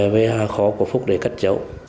về khó của phúc để cất giấu